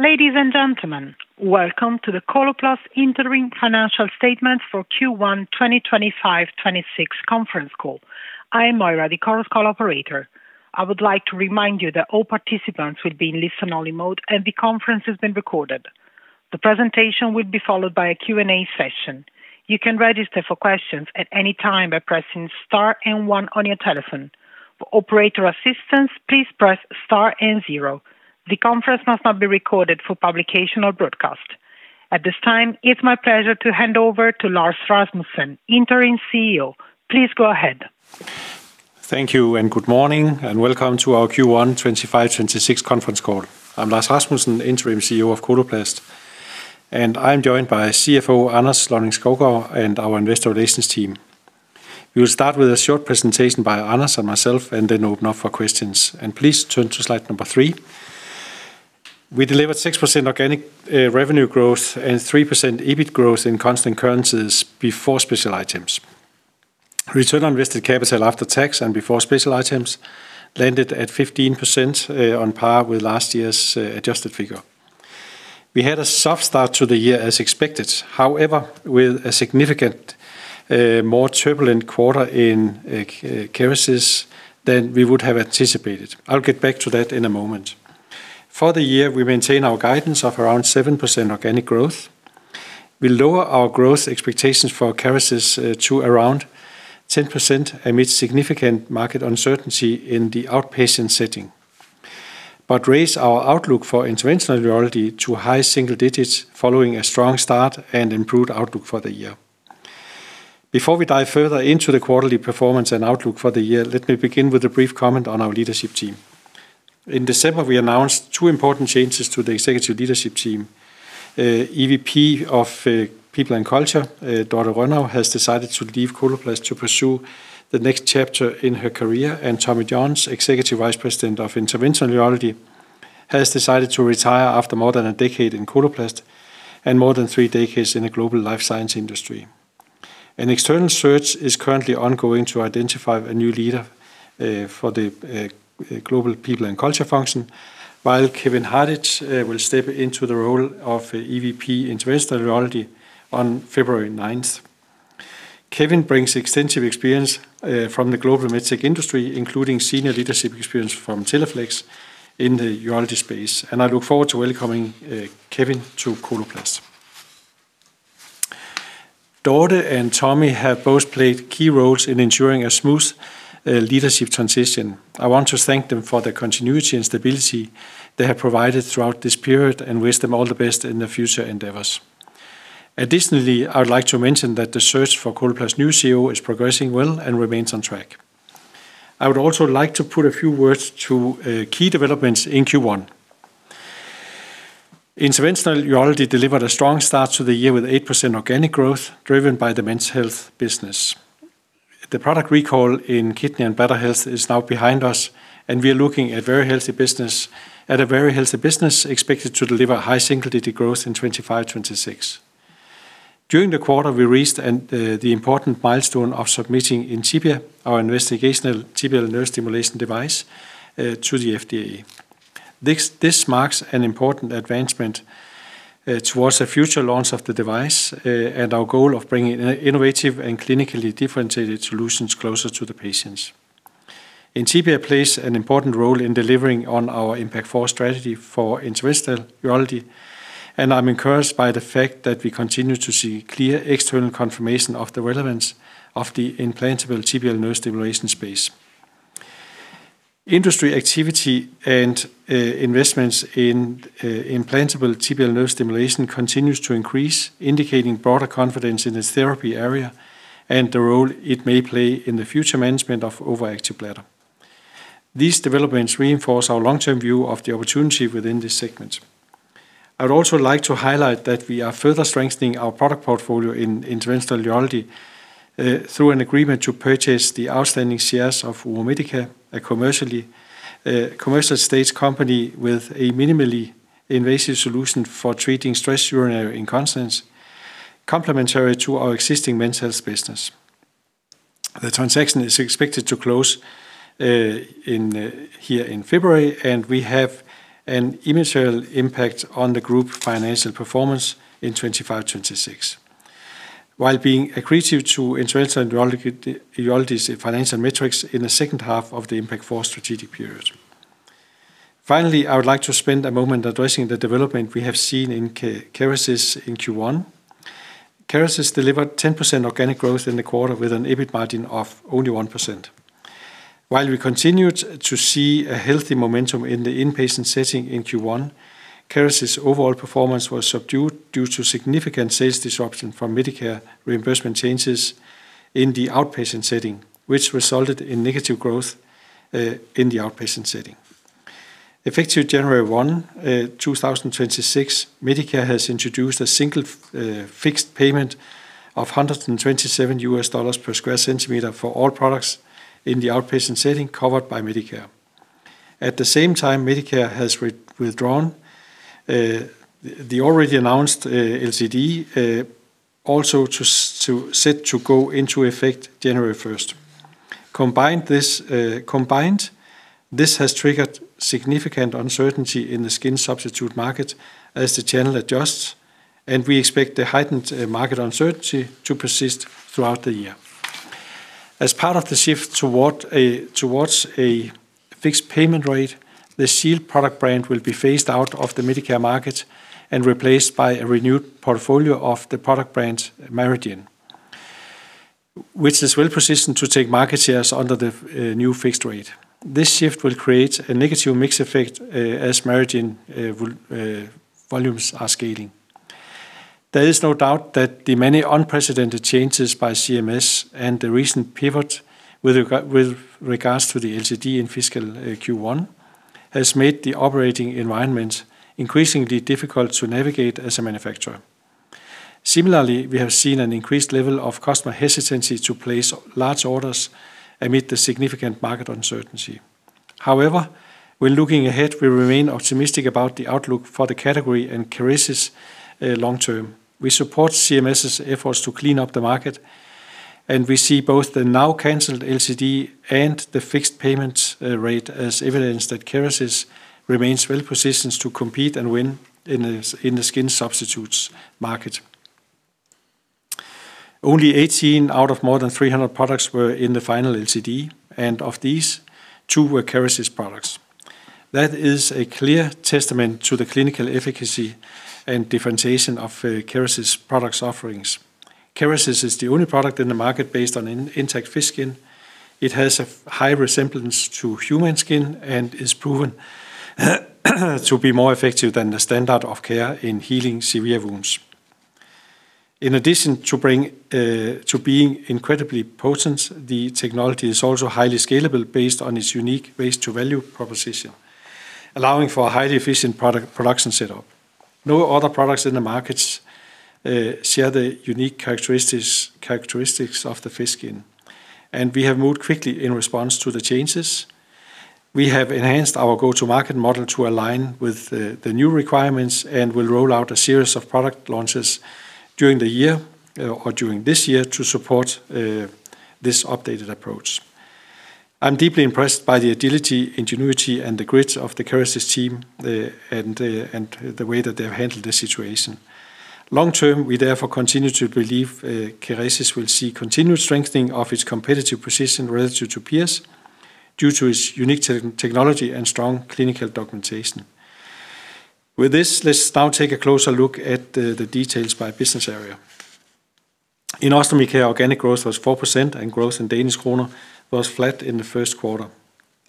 Ladies and gentlemen, welcome to the Coloplast interim financial statements for Q1 2025-2026 conference call. I am Moira, the call's operator. I would like to remind you that all participants will be in listen-only mode and the conference has been recorded. The presentation will be followed by a Q&A session. You can register for questions at any time by pressing star and 1 on your telephone. For operator assistance, please press star and zero. The conference must not be recorded for publication or broadcast. At this time, it's my pleasure to hand over to Lars Rasmussen, Interim CEO. Please go ahead. Thank you and good morning, and welcome to our Q1 2025-2026 conference call. I'm Lars Rasmussen, Interim CEO of Coloplast, and I'm joined by CFO Anders Lonning-Skovgaard and our investor relations team. We will start with a short presentation by Anders and myself, and then open up for questions. Please turn to slide number 3. We delivered 6% organic revenue growth and 3% EBIT growth in constant currencies before special items. Return on invested capital after tax and before special items landed at 15%, on par with last year's adjusted figure. We had a soft start to the year as expected, however, with a significant, more turbulent quarter in Kerecis than we would have anticipated. I'll get back to that in a moment. For the year, we maintain our guidance of around 7% organic growth. We lower our growth expectations for Kerecis, to around 10% amid significant market uncertainty in the outpatient setting, but raise our outlook for Interventional Urology to high single digits following a strong start and improved outlook for the year. Before we dive further into the quarterly performance and outlook for the year, let me begin with a brief comment on our leadership team. In December, we announced two important changes to the executive leadership team. EVP of People and Culture, Dorthe Rønnau, has decided to leave Coloplast to pursue the next chapter in her career, and Tommy Johns, Executive Vice President of Interventional Urology, has decided to retire after more than a decade in Coloplast and more than three decades in the global life science industry. An external search is currently ongoing to identify a new leader for the global People and Culture function, while Kevin Hardage will step into the role of EVP Interventional Urology on February 9th. Kevin brings extensive experience from the global medtech industry, including senior leadership experience from Teleflex in the urology space, and I look forward to welcoming Kevin to Coloplast. Dorthe and Tommy have both played key roles in ensuring a smooth leadership transition. I want to thank them for the continuity and stability they have provided throughout this period and wish them all the best in their future endeavors. Additionally, I would like to mention that the search for Coloplast's new CEO is progressing well and remains on track. I would also like to put a few words to key developments in Q1. Interventional Urology delivered a strong start to the year with 8% organic growth driven by the Men's Health business. The product recall in Kidney and Bladder Health is now behind us, and we are looking at very healthy business expected to deliver high single-digit growth in 2025-2026. During the quarter, we reached the important milestone of submitting Intibia, our investigational tibial nerve stimulation device, to the FDA. This marks an important advancement towards a future launch of the device, and our goal of bringing innovative and clinically differentiated solutions closer to the patients. Intibia plays an important role in delivering on our Impact Four strategy for Interventional Urology, and I'm encouraged by the fact that we continue to see clear external confirmation of the relevance of the implantable tibial nerve stimulation space. Industry activity and investments in implantable tibial nerve stimulation continues to increase, indicating broader confidence in its therapy area and the role it may play in the future management of overactive bladder. These developments reinforce our long-term view of the opportunity within this segment. I would also like to highlight that we are further strengthening our product portfolio in Interventional Urology, through an agreement to purchase the outstanding shares of Uromedica, a commercial stage company with a minimally invasive solution for treating stress urinary incontinence, complementary to our existing Men's Health business. The transaction is expected to close in February, and we have an immaterial impact on the group financial performance in 2025-2026, while being accretive to Interventional Urology's financial metrics in the second half of the Impact Four strategic period. Finally, I would like to spend a moment addressing the development we have seen in Kerecis in Q1. Kerecis delivered 10% organic growth in the quarter with an EBIT margin of only 1%. While we continued to see a healthy momentum in the inpatient setting in Q1, Kerecis' overall performance was subdued due to significant sales disruption from Medicare reimbursement changes in the outpatient setting, which resulted in negative growth, in the outpatient setting. Effective January 1, 2026, Medicare has introduced a single, fixed payment of $127 per square centimeter for all products in the outpatient setting covered by Medicare. At the same time, Medicare has withdrawn the already announced LCD, also set to go into effect January 1st. This has triggered significant uncertainty in the skin substitute market as the channel adjusts, and we expect the heightened market uncertainty to persist throughout the year. As part of the shift toward a fixed payment rate, the Shield product brand will be phased out of the Medicare market and replaced by a renewed portfolio of the product brand MariGen, which is well positioned to take market shares under the new fixed rate. This shift will create a negative mix effect, as MariGen volumes are scaling. There is no doubt that the many unprecedented changes by CMS and the recent pivot with regards to the LCD in fiscal Q1 has made the operating environment increasingly difficult to navigate as a manufacturer. Similarly, we have seen an increased level of customer hesitancy to place large orders amid the significant market uncertainty. However, when looking ahead, we remain optimistic about the outlook for the category and Kerecis, long term. We support CMS's efforts to clean up the market, and we see both the now canceled LCD and the fixed payment rate as evidence that Kerecis remains well positioned to compete and win in the skin substitutes market. Only 18 out of more than 300 products were in the final LCD, and of these, two were Kerecis' products. That is a clear testament to the clinical efficacy and differentiation of Kerecis' product offerings. Kerecis is the only product in the market based on intact fish skin. It has a high resemblance to human skin and is proven to be more effective than the standard of care in healing severe wounds. In addition to being incredibly potent, the technology is also highly scalable based on its unique waste-to-value proposition, allowing for a highly efficient product production setup. No other products in the markets share the unique characteristics of the fish skin, and we have moved quickly in response to the changes. We have enhanced our go-to-market model to align with the new requirements and will roll out a series of product launches during the year, or during this year to support this updated approach. I'm deeply impressed by the agility, ingenuity, and the grit of the Kerecis' team, and the way that they've handled this situation. Long term, we therefore continue to believe, Kerecis will see continued strengthening of its competitive position relative to peers due to its unique technology and strong clinical documentation. With this, let's now take a closer look at the details by business area. In Ostomy Care, organic growth was 4%, and growth in Danish kroner was flat in the first quarter.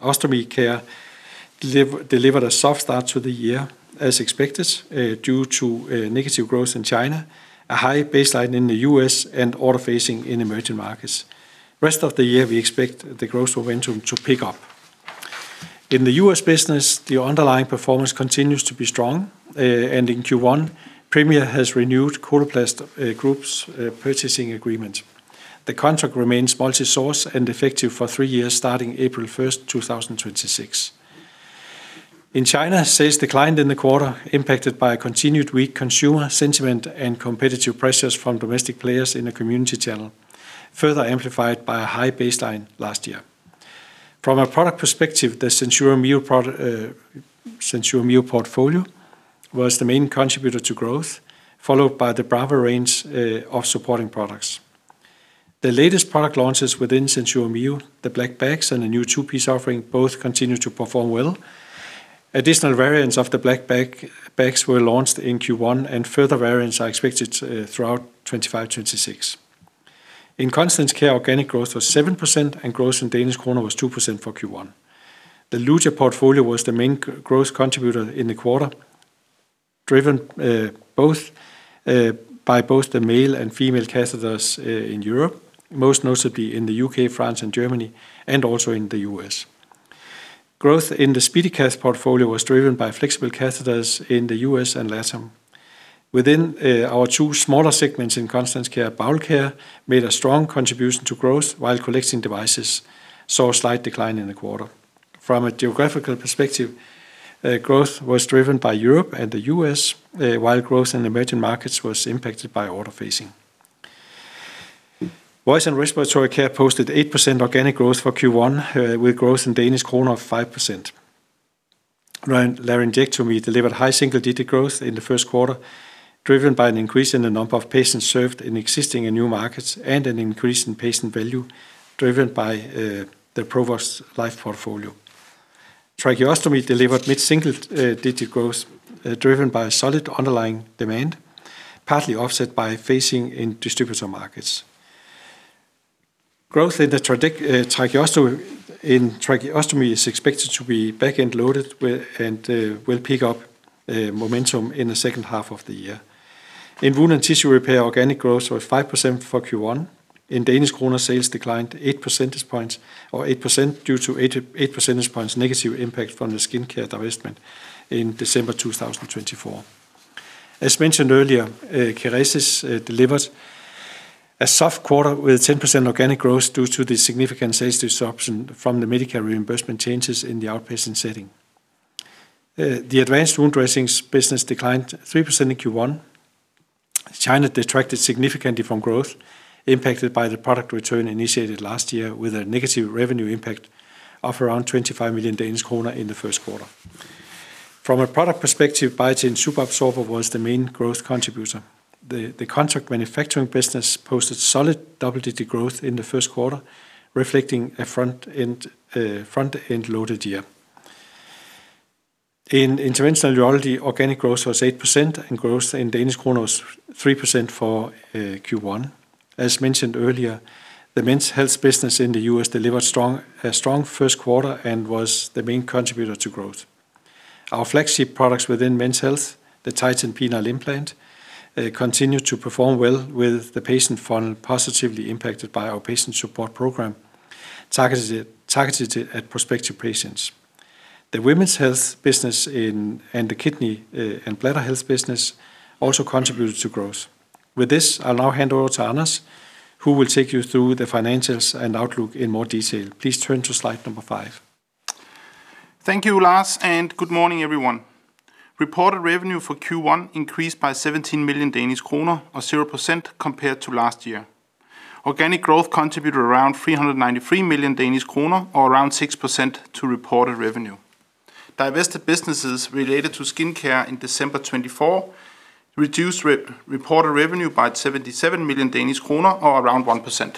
Ostomy Care delivered a soft start to the year as expected, due to negative growth in China, a high baseline in the U.S., and order phasing in emerging markets. Rest of the year, we expect the growth momentum to pick up. In the U.S. business, the underlying performance continues to be strong, and in Q1, Premier has renewed Coloplast Group's purchasing agreement. The contract remains multi-source and effective for three years starting April 1st, 2026. In China, sales declined in the quarter impacted by a continued weak consumer sentiment and competitive pressures from domestic players in a community channel, further amplified by a high baseline last year. From a product perspective, the SenSura Mio product SenSura Mio portfolio was the main contributor to growth, followed by the Brava range of supporting products. The latest product launches within SenSura Mio, the Black Bags, and the new two-piece offering both continue to perform well. Additional variants of the Black Bags were launched in Q1, and further variants are expected throughout 2025-2026. In Continence Care, organic growth was 7%, and growth in Danish kroner was 2% for Q1. The Luja portfolio was the main growth contributor in the quarter, driven by both the male and female catheters in Europe, most notably in the U.K., France, and Germany, and also in the U.S.. Growth in the SpeedyCath portfolio was driven by flexible catheters in the U.S. and Latin America. Within our two smaller segments in Continence Care, Bowel Care made a strong contribution to growth while Collecting Devices saw a slight decline in the quarter. From a geographical perspective, growth was driven by Europe and the U.S., while growth in emerging markets was impacted by order phasing. Voice and Respiratory Care posted 8% organic growth for Q1, with growth in Danish kroner of 5%. Laryngectomy delivered high single-digit growth in the first quarter, driven by an increase in the number of patients served in existing and new markets and an increase in patient value driven by the Provox Life portfolio. Tracheostomy delivered mid-single-digit growth, driven by solid underlying demand, partly offset by phasing in distributor markets. Growth in tracheostomy is expected to be back-end loaded and will pick up momentum in the second half of the year. In Wound and Tissue Repair, organic growth was 5% for Q1. In Danish kroner, sales declined 8 percentage points or 8% due to 8 percentage points negative impact from the skincare divestment in December 2024. As mentioned earlier, Kerecis delivered a soft quarter with 10% organic growth due to the significant sales disruption from the Medicare reimbursement changes in the outpatient setting. The Advanced Wound Dressings business declined 3% in Q1. China detracted significantly from growth, impacted by the product return initiated last year with a negative revenue impact of around 25 million Danish kroner in the first quarter. From a product perspective, Biatain Superabsorber was the main growth contributor. The contract manufacturing business posted solid double-digit growth in the first quarter, reflecting a front-end loaded year. In Interventional Urology, organic growth was 8%, and growth in Danish kroner was 3% for Q1. As mentioned earlier, the Men's Health business in the U.S. delivered strong first quarter and was the main contributor to growth. Our flagship products within Men's Health, the Titan Penile Implant, continued to perform well with the patient funnel positively impacted by our patient support program targeted at prospective patients. The Women's Health business and the Kidney and Bladder Health business also contributed to growth. With this, I'll now hand over to Anders, who will take you through the financials and outlook in more detail. Please turn to slide number 5. Thank you, Lars, and good morning, everyone. Reported revenue for Q1 increased by 17 million Danish kroner or 0% compared to last year. Organic growth contributed around 393 million Danish kroner or around 6% to reported revenue. Divested businesses related to skincare in December 2024 reduced reported revenue by 77 million Danish kroner or around 1%.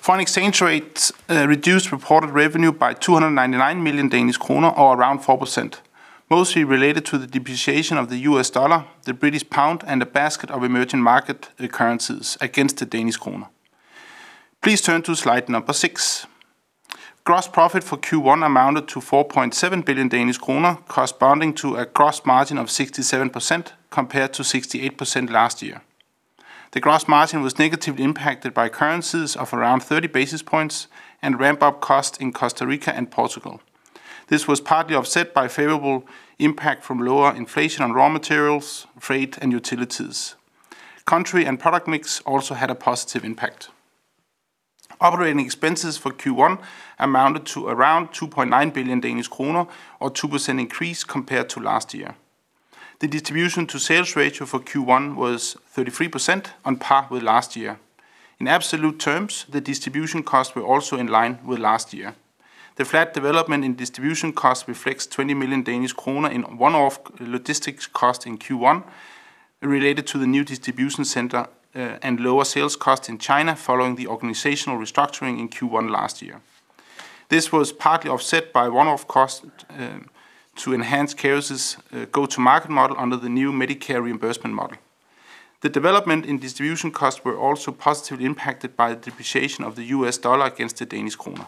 Foreign exchange rates reduced reported revenue by 299 million Danish kroner or around 4%, mostly related to the depreciation of the U.S. dollar, the British pound, and a basket of emerging market currencies against the Danish kroner. Please turn to slide number 6. Gross profit for Q1 amounted to 4.7 billion Danish kroner, corresponding to a gross margin of 67% compared to 68% last year. The gross margin was negatively impacted by currencies of around 30 basis points and ramp-up cost in Costa Rica and Portugal. This was partly offset by favorable impact from lower inflation on raw materials, freight, and utilities. Country and product mix also had a positive impact. Operating expenses for Q1 amounted to around 2.9 billion Danish kroner or 2% increase compared to last year. The distribution-to-sales ratio for Q1 was 33%, on par with last year. In absolute terms, the distribution costs were also in line with last year. The flat development in distribution costs reflects 20 million Danish kroner in one-off logistics costs in Q1 related to the new distribution center, and lower sales costs in China following the organizational restructuring in Q1 last year. This was partly offset by one-off costs, to enhance Kerecis' go-to-market model under the new Medicare reimbursement model. The development in distribution costs were also positively impacted by the depreciation of the U.S. dollar against the Danish kroner.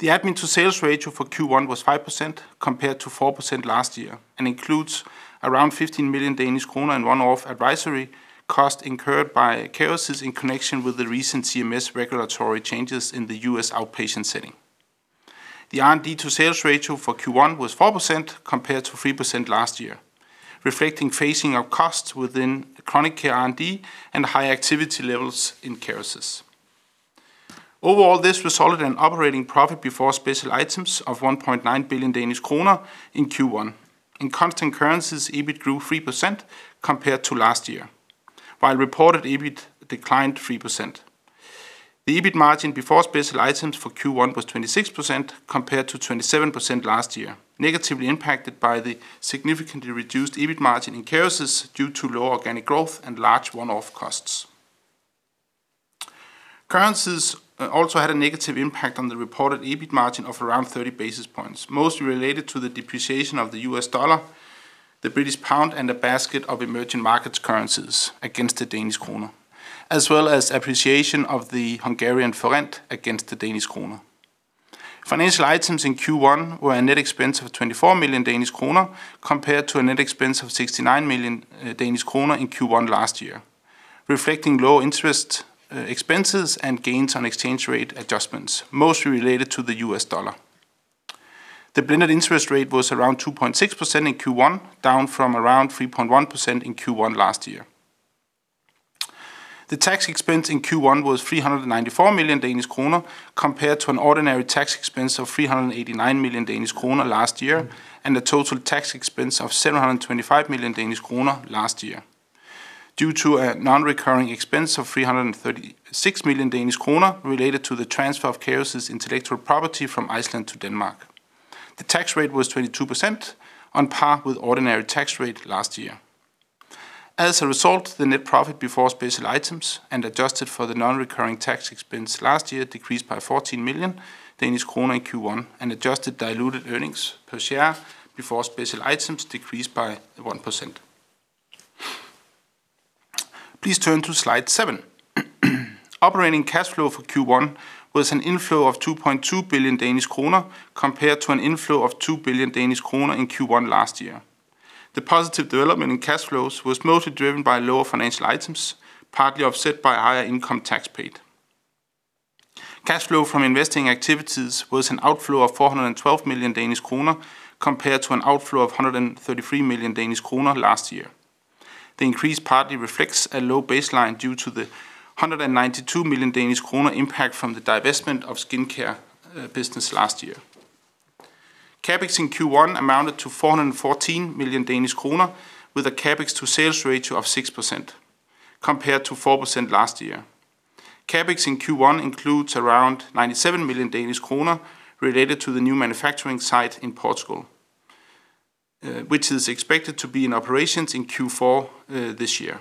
The admin-to-sales ratio for Q1 was 5% compared to 4% last year and includes around 15 million Danish kroner in one-off advisory costs incurred by Kerecis in connection with the recent CMS regulatory changes in the U.S. outpatient setting. The R&D-to-sales ratio for Q1 was 4% compared to 3% last year, reflecting phasing of costs within Chronic Care R&D and high activity levels in Kerecis. Overall, this resulted in operating profit before special items of 1.9 billion Danish kroner in Q1. In Constant Currencies, EBIT grew 3% compared to last year, while reported EBIT declined 3%. The EBIT margin before special items for Q1 was 26% compared to 27% last year, negatively impacted by the significantly reduced EBIT margin in Kerecis due to lower organic growth and large one-off costs. Currencies also had a negative impact on the reported EBIT margin of around 30 basis points, mostly related to the depreciation of the U.S. dollar, the British pound, and a basket of emerging markets currencies against the Danish kroner, as well as appreciation of the Hungarian forint against the Danish kroner. Financial items in Q1 were a net expense of 24 million Danish kroner compared to a net expense of 69 million Danish kroner in Q1 last year, reflecting lower interest expenses and gains on exchange rate adjustments, mostly related to the U.S. dollar. The blended interest rate was around 2.6% in Q1, down from around 3.1% in Q1 last year. The tax expense in Q1 was 394 million Danish kroner compared to an ordinary tax expense of 389 million Danish kroner last year and a total tax expense of 725 million Danish kroner last year due to a non-recurring expense of 336 million Danish kroner related to the transfer of Kerecis' intellectual property from Iceland to Denmark. The tax rate was 22%, on par with the ordinary tax rate last year. As a result, the net profit before special items and adjusted for the non-recurring tax expense last year decreased by 14 million Danish kroner in Q1 and adjusted diluted earnings per share before special items decreased by 1%. Please turn to slide 7. Operating cash flow for Q1 was an inflow of 2.2 billion Danish kroner compared to an inflow of 2 billion Danish kroner in Q1 last year. The positive development in cash flows was mostly driven by lower financial items, partly offset by higher income tax paid. Cash flow from investing activities was an outflow of 412 million Danish kroner compared to an outflow of 133 million Danish kroner last year. The increase partly reflects a low baseline due to the 192 million Danish kroner impact from the divestment of skincare business last year. CAPEX in Q1 amounted to 414 million Danish kroner with a CAPEX-to-sales ratio of 6% compared to 4% last year. CAPEX in Q1 includes around 97 million Danish kroner related to the new manufacturing site in Portugal, which is expected to be in operations in Q4, this year.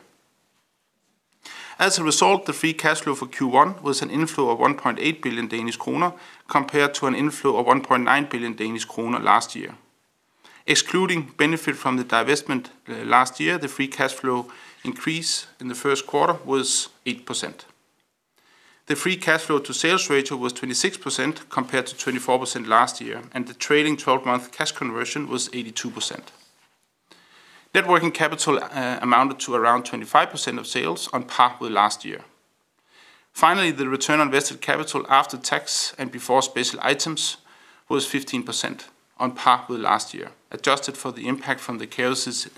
As a result, the free cash flow for Q1 was an inflow of 1.8 billion Danish kroner compared to an inflow of 1.9 billion Danish kroner last year. Excluding benefit from the divestment, last year, the free cash flow increase in the first quarter was 8%. The free cash flow-to-sales ratio was 26% compared to 24% last year, and the trailing 12-month cash conversion was 82%. Working capital amounted to around 25% of sales, on par with last year. Finally, the return on invested capital after tax and before special items was 15%, on par with last year, adjusted for the impact from the Kerecis'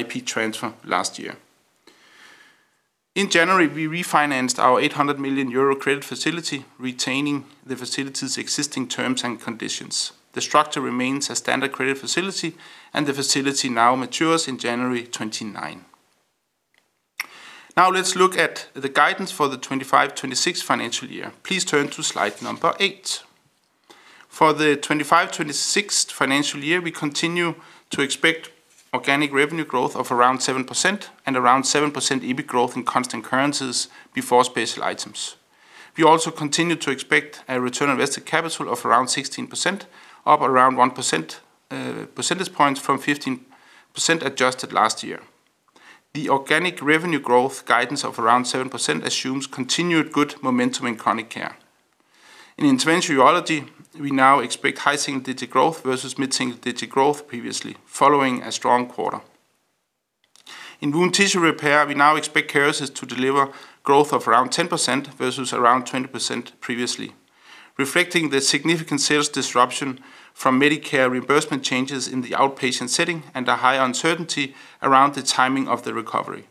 IP transfer last year. In January, we refinanced our 800 million euro credit facility, retaining the facility's existing terms and conditions. The structure remains a standard credit facility, and the facility now matures in January 2029. Now, let's look at the guidance for the 2025-2026 financial year. Please turn to slide number 8. For the 2025-2026 financial year, we continue to expect organic revenue growth of around 7% and around 7% EBIT growth in Constant Currencies before special items. We also continue to expect a return on invested capital of around 16%, up around 1 percentage point from 15% adjusted last year. The organic revenue growth guidance of around 7% assumes continued good momentum in Chronic Care. In Interventional Urology, we now expect high single-digit growth versus mid-single-digit growth previously, following a strong quarter. In Wound and Tissue Repair, we now expect Kerecis to deliver growth of around 10% versus around 20% previously, reflecting the significant sales disruption from Medicare reimbursement changes in the outpatient setting and a higher uncertainty around the timing of the recovery.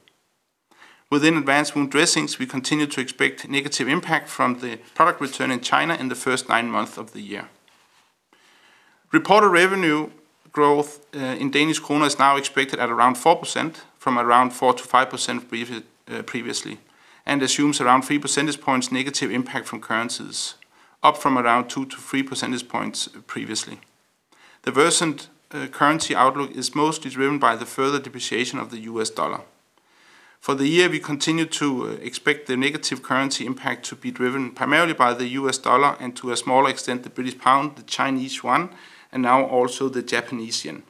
Within Advanced Wound Dressings, we continue to expect negative impact from the product return in China in the first nine months of the year. Reported revenue growth in Danish kroner is now expected at around 4% from around 4%-5% previously and assumes around 3 percentage points negative impact from currencies, up from around 2-3 percentage points previously. The constant currency outlook is mostly driven by the further depreciation of the U.S. dollar. For the year, we continue to expect the negative currency impact to be driven primarily by the U.S. dollar and, to a smaller extent, the British pound, the Chinese yuan, and now also the Japanese yen.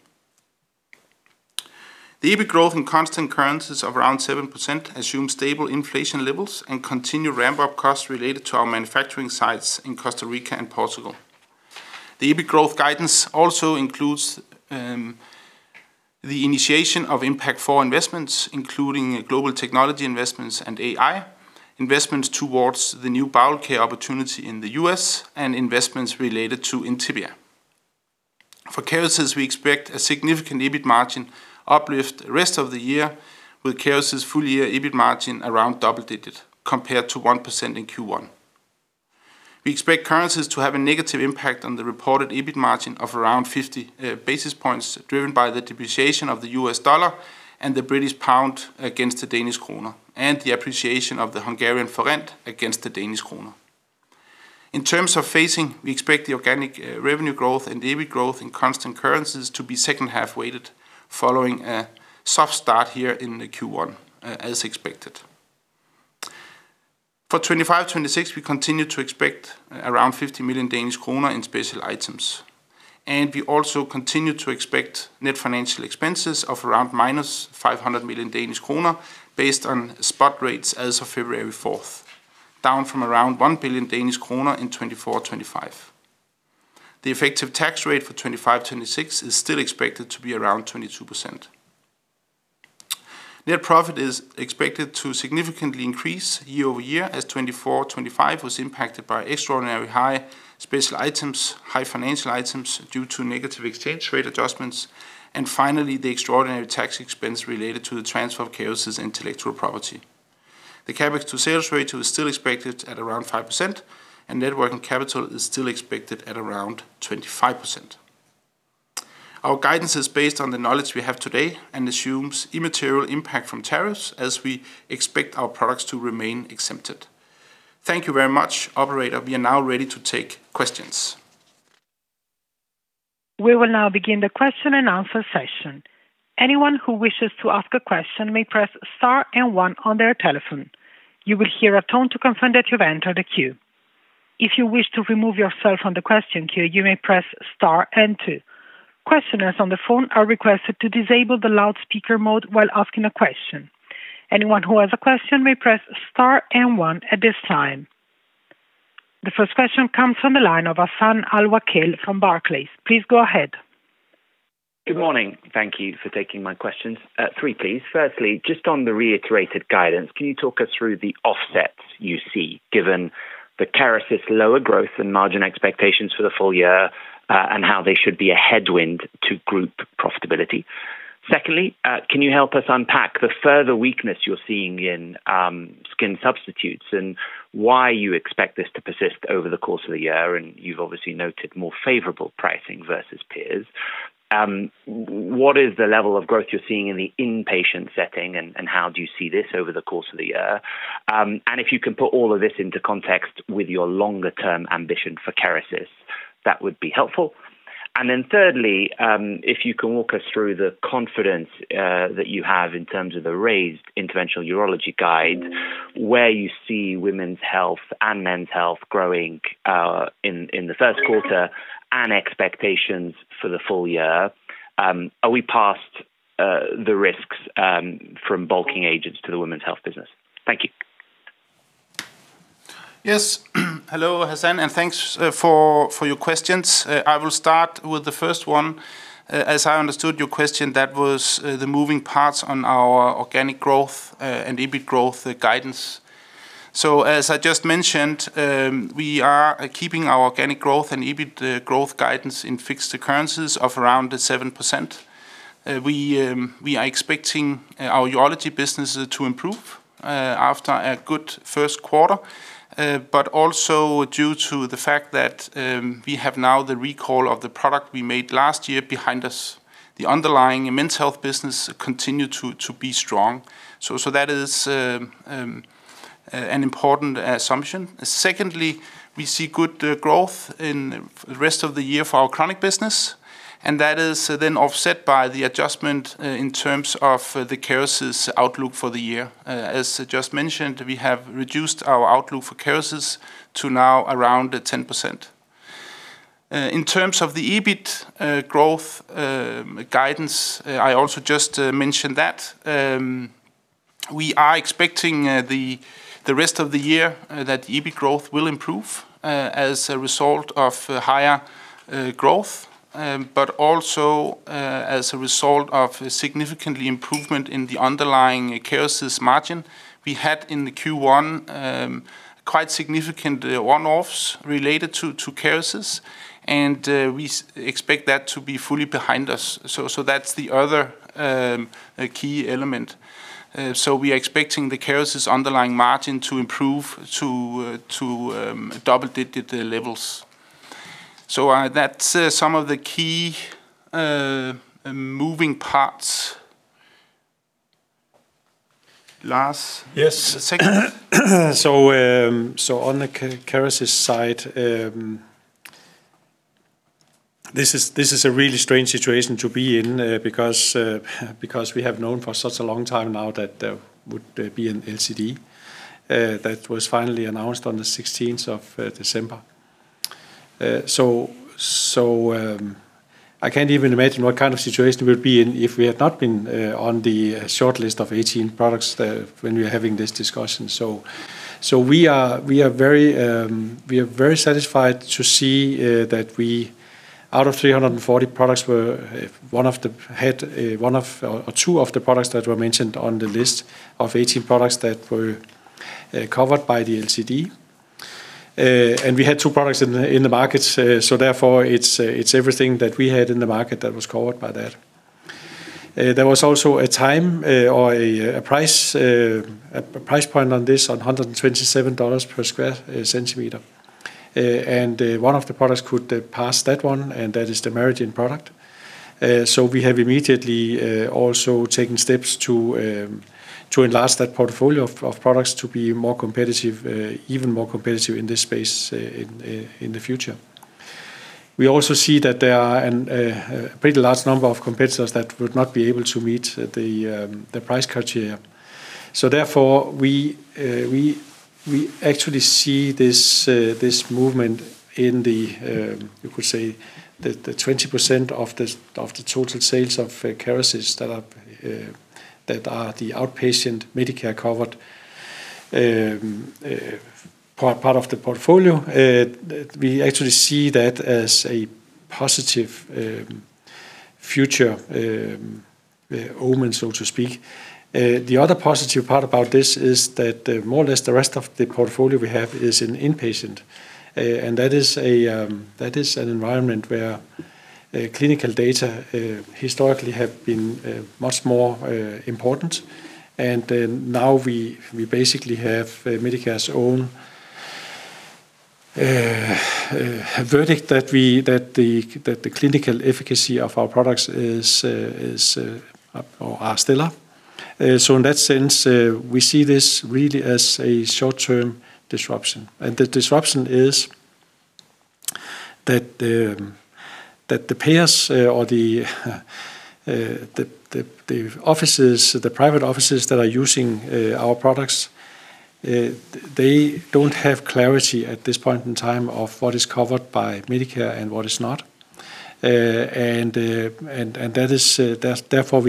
The EBIT growth in Constant Currencies of around 7% assumes stable inflation levels and continued ramp-up costs related to our manufacturing sites in Costa Rica and Portugal. The EBIT growth guidance also includes the initiation of Impact4 investments, including global technology investments and AI, investments towards the new bowel care opportunity in the U.S., and investments related to Intibia. For Kerecis, we expect a significant EBIT margin uplift the rest of the year, with Kerecis' full-year EBIT margin around double-digit compared to 1% in Q1. We expect currencies to have a negative impact on the reported EBIT margin of around 50 basis points driven by the depreciation of the U.S. dollar and the British pound against the Danish krone and the appreciation of the Hungarian forint against the Danish krone. In terms of phasing, we expect the organic revenue growth and EBIT growth in Constant Currencies to be second-half weighted, following a soft start here in Q1, as expected. For 2025-2026, we continue to expect around 50 million Danish kroner in special items, and we also continue to expect net financial expenses of around -500 million Danish kroner based on spot rates as of February 4th, down from around 1 billion Danish kroner in 2024-2025. The effective tax rate for 2025-2026 is still expected to be around 22%. Net profit is expected to significantly increase year-over-year as 2024-2025 was impacted by extraordinary high special items, high financial items due to negative exchange rate adjustments, and finally, the extraordinary tax expense related to the transfer of Kerecis' intellectual property. The CAPEX-to-sales ratio is still expected at around 5%, and net working capital is still expected at around 25%. Our guidance is based on the knowledge we have today and assumes immaterial impact from tariffs as we expect our products to remain exempted. Thank you very much, operator. We are now ready to take questions. We will now begin the question-and-answer session. Anyone who wishes to ask a question may press star and one on their telephone. You will hear a tone to confirm that you've entered a queue. If you wish to remove yourself from the question queue, you may press star and two. Questioners on the phone are requested to disable the loudspeaker mode while asking a question. Anyone who has a question may press star and one at this time. The first question comes from the line of Hassan Al-Wakeel from Barclays. Please go ahead. Good morning. Thank you for taking my questions. Three, please. Firstly, just on the reiterated guidance, can you talk us through the offsets you see given the Kerecis' lower growth and margin expectations for the full year, and how they should be a headwind to group profitability? Secondly, can you help us unpack the further weakness you're seeing in skin substitutes and why you expect this to persist over the course of the year? And you've obviously noted more favorable pricing versus peers. What is the level of growth you're seeing in the inpatient setting, and how do you see this over the course of the year? And if you can put all of this into context with your longer-term ambition for Kerecis, that would be helpful. And then thirdly, if you can walk us through the confidence that you have in terms of the raised Interventional Urology guide, where you Women's Health and Men's Health growing in the first quarter and expectations for the full year. Are we past the risks from bulking agents to Women's Health business? Thank you. Yes. Hello, Hassan, and thanks for your questions. I will start with the first one. As I understood your question, that was the moving parts on our organic growth and EBIT growth guidance. So as I just mentioned, we are keeping our organic growth and EBIT growth guidance in constant currencies of around 7%. We are expecting our urology businesses to improve after a good first quarter, but also due to the fact that we have now the recall of the product we made last year behind us. The underlying Men's Health business continued to be strong. So that is an important assumption. Secondly, we see good growth in the rest of the year for our chronic business, and that is then offset by the adjustment in terms of the Kerecis' outlook for the year. As just mentioned, we have reduced our outlook for Kerecis to now around 10%. In terms of the EBIT growth guidance, I also just mentioned that we are expecting the rest of the year that the EBIT growth will improve as a result of higher growth but also as a result of a significant improvement in the underlying Kerecis' margin. We had in Q1 quite significant one-offs related to Kerecis, and we expect that to be fully behind us. So that's the other key element. So we are expecting the Kerecis' underlying margin to improve to double-digit levels. So that's some of the key moving parts. Lars? Yes. Second. So on the Kerecis' side, this is a really strange situation to be in, because we have known for such a long time now that there would be an LCD that was finally announced on the 16th of December. So, I can't even imagine what kind of situation we would be in if we had not been on the shortlist of 18 products when we are having this discussion. So, we are very satisfied to see that we, out of 340 products, were one of, or two of, the products that were mentioned on the list of 18 products that were covered by the LCD. We had two products in the markets, so therefore, it's everything that we had in the market that was covered by that. There was also a price point on this of $127 per square centimeter. One of the products could pass that one, and that is the MariGen product. So we have immediately also taken steps to enlarge that portfolio of products to be more competitive, even more competitive in this space in the future. We also see that there are a pretty large number of competitors that would not be able to meet the price criteria. So therefore, we actually see this movement, you could say, the 20% of the total sales of Kerecis that are the outpatient Medicare covered part of the portfolio. We actually see that as a positive future omen, so to speak. The other positive part about this is that more or less the rest of the portfolio we have is in inpatient. And that is an environment where clinical data historically have been much more important. Now we basically have Medicare's own verdict that the clinical efficacy of our products is or are stellar. So in that sense, we see this really as a short-term disruption. The disruption is that the payers, or the offices, the private offices that are using our products, they don't have clarity at this point in time of what is covered by Medicare and what is not. And that is, therefore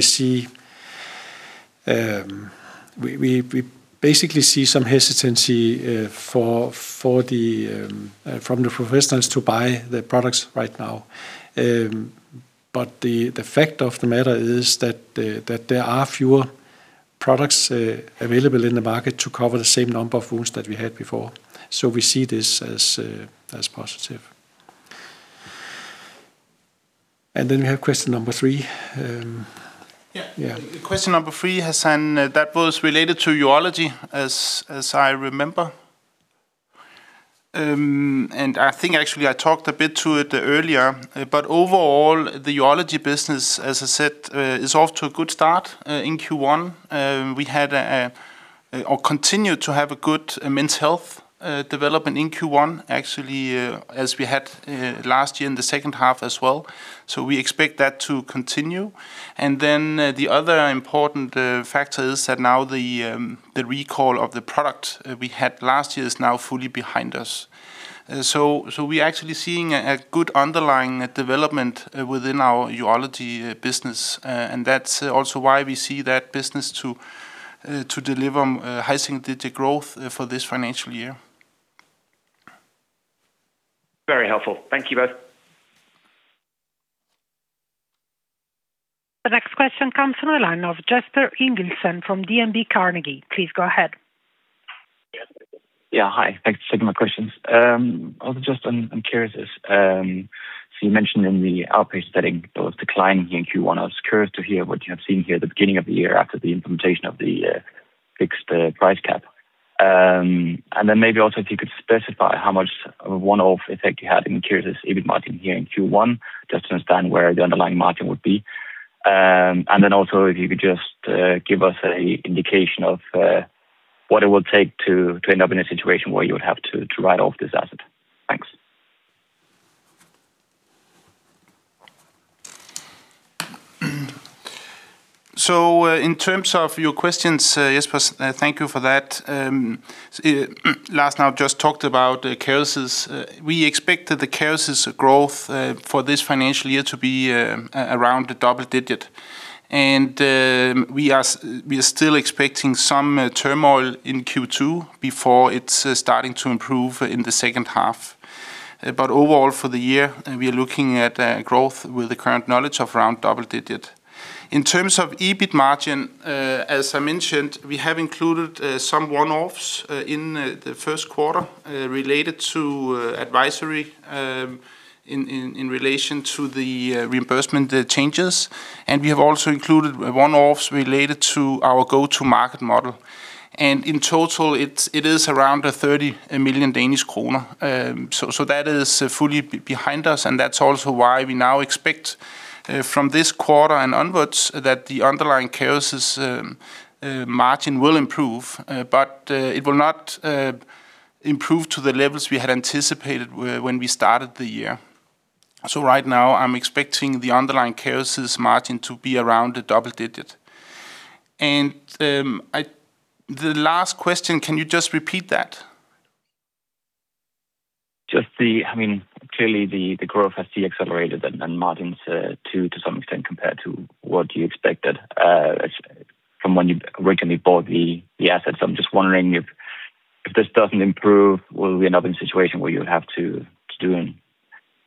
we basically see some hesitancy from the professionals to buy the products right now. But the fact of the matter is that there are fewer products available in the market to cover the same number of wounds that we had before. So we see this as positive. And then we have question number three. Yeah. Yeah. Question number three, Hassan. That was related to urology, as I remember. And I think actually I talked a bit to it earlier. But overall, the urology business, as I said, is off to a good start in Q1. We had, or continued to have, a good Men's Health development in Q1, actually, as we had last year in the second half as well. So we expect that to continue. And then, the other important factor is that now the recall of the product we had last year is now fully behind us. So we are actually seeing a good underlying development within our urology business. And that's also why we see that business to deliver high single-digit growth for this financial year. Very helpful. Thank you both. The next question comes from the line of Jesper Ingildsen from DNB Carnegie. Please go ahead. Yeah. Hi. Thanks for taking my questions. Also, just on Kerecis. So, you mentioned in the outpatient setting there was a decline here in Q1. I was curious to hear what you have seen here at the beginning of the year after the implementation of the fixed price cap. And then, maybe also, if you could specify how much of a one-off effect you had in Kerecis' EBIT margin here in Q1, just to understand where the underlying margin would be. And then also, if you could just give us an indication of what it will take to end up in a situation where you would have to write off this asset. Thanks. So, in terms of your questions, Jesper, thank you for that. Lars now just talked about Kerecis. We expected the Kerecis' growth for this financial year to be around a double-digit. We are still expecting some turmoil in Q2 before it's starting to improve in the second half. But overall for the year, we are looking at growth with the current knowledge of around double-digit. In terms of EBIT margin, as I mentioned, we have included some one-offs in the first quarter, related to advisory in relation to the reimbursement changes. And we have also included one-offs related to our go-to-market model. And in total, it is around 30 million Danish kroner. So that is fully behind us, and that's also why we now expect from this quarter and onwards that the underlying Kerecis's margin will improve. But it will not improve to the levels we had anticipated when we started the year. So right now, I'm expecting the underlying Kerecis' margin to be around a double-digit. And, the last question, can you just repeat that? Just the—I mean, clearly, the growth has decelerated and margins, to some extent compared to what you expected, as from when you originally bought the asset. So I'm just wondering if this doesn't improve, will we end up in a situation where you would have to do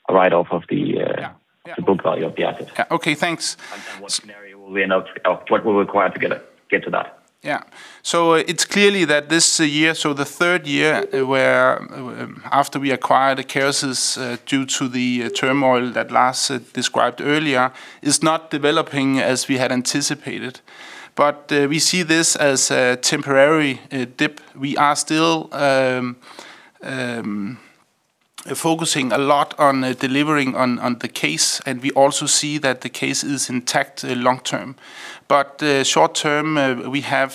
a write-off of the— Yeah. Yeah. The book value of the asset. Yeah. Okay. Thanks. And what scenario will we end up—what will it require to get to that? Yeah. So, it's clear that this year, the third year after we acquired Kerecis, due to the turmoil that Lars described earlier, is not developing as we had anticipated. But we see this as a temporary dip. We are still focusing a lot on delivering on the case, and we also see that the case is intact long term. But short term, we have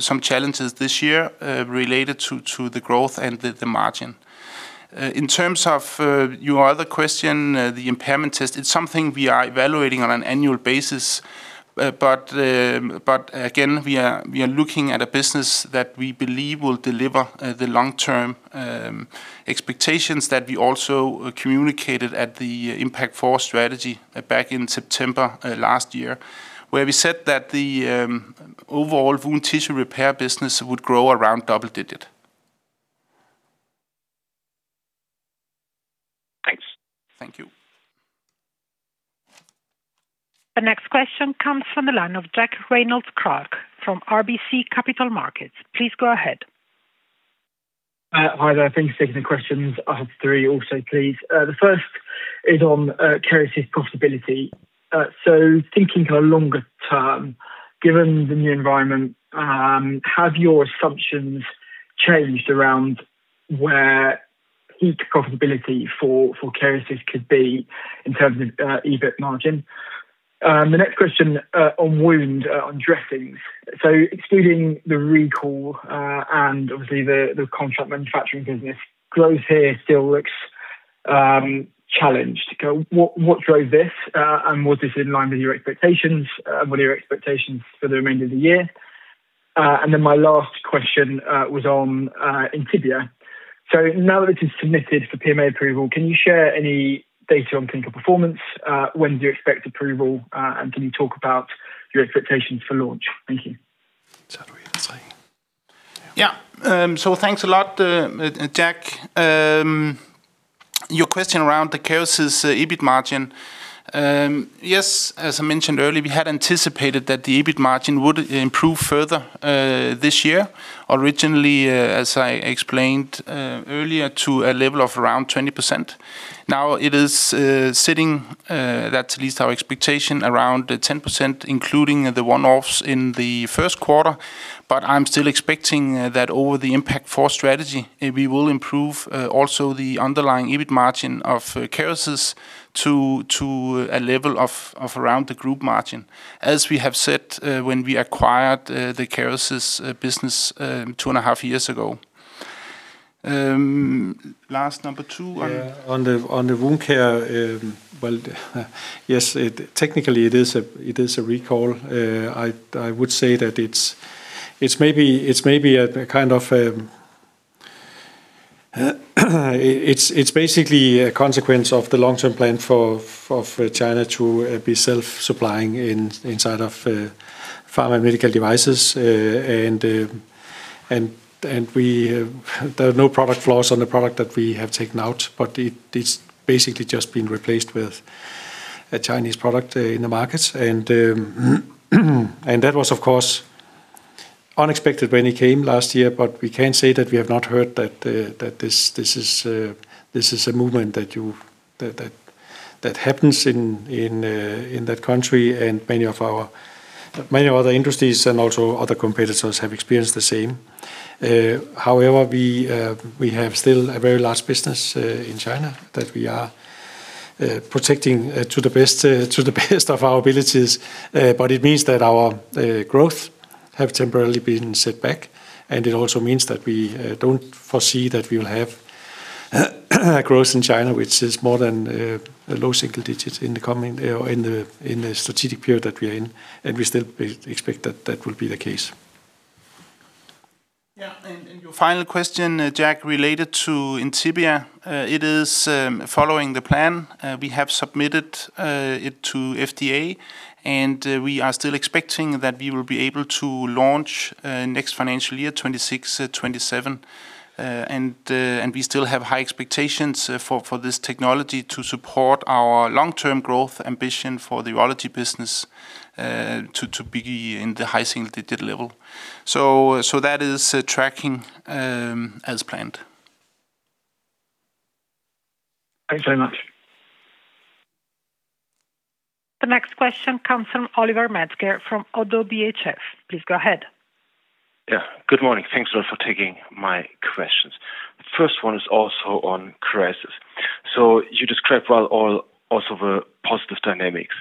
some challenges this year, related to the growth and the margin. In terms of your other question, the impairment test, it's something we are evaluating on an annual basis. But again, we are looking at a business that we believe will deliver the long-term expectations that we also communicated at the Impact Four strategy back in September last year, where we said that the overall wound tissue repair business would grow around double digit. Thanks. Thank you. The next question comes from the line of Jack Reynolds-Clark from RBC Capital Markets. Please go ahead. Hi there. Thanks for taking the questions. I have three also, please. The first is on Kerecis' profitability. So thinking kind of longer term, given the new environment, have your assumptions changed around where peak profitability for carries could be in terms of EBIT margin? The next question, on wound, on dressings. So excluding the recall, and obviously the contract manufacturing business, growth here still looks challenged. Kind of what drove this, and was this in line with your expectations, and what are your expectations for the remainder of the year? And then my last question was on Intibia. So now that this is submitted for PMA approval, can you share any data on clinical performance? When do you expect approval, and can you talk about your expectations for launch? Thank you. Yeah. Yeah. So thanks a lot, Jack. Your question around the carries' EBIT margin. Yes, as I mentioned earlier, we had anticipated that the EBIT margin would improve further, this year. Originally, as I explained, earlier, to a level of around 20%. Now it is, sitting that's at least our expectation, around 10%, including the one-offs in the first quarter. But I'm still expecting that over the Impact Four strategy, we will improve, also the underlying EBIT margin of Kerecis to, to a level of, of around the group margin, as we have said, when we acquired, the Kerecis' business, two and a half years ago. last number two on. Yeah. On the wound care, well, yes, technically it is a recall. I, I would say that it's, it's maybe a kind of, it's basically a consequence of the long-term plan for, for China to be self-supplying inside of, pharma and medical devices. There are no product flaws on the product that we have taken out, but it's basically just been replaced with a Chinese product in the market. And that was, of course, unexpected when it came last year, but we can't say that we have not heard that this is a movement that happens in that country, and many other industries and also other competitors have experienced the same. However, we have still a very large business in China that we are protecting to the best of our abilities. but it means that our growth have temporarily been set back, and it also means that we don't foresee that we will have growth in China, which is more than a low single digit in the coming or in the in the strategic period that we are in. And we still expect that that will be the case. Yeah. And your final question, Jack, related to Intibia. It is following the plan. We have submitted it to FDA, and we are still expecting that we will be able to launch next financial year, 2026, 2027. And we still have high expectations for this technology to support our long-term growth ambition for the urology business, to be in the high single digit level. So that is tracking as planned. Thanks very much. The next question comes from Oliver Metzger from ODDO BHF. Please go ahead. Yeah. Good morning. Thanks a lot for taking my questions. The first one is also on Kerecis. So you described, well, all also the positive dynamics.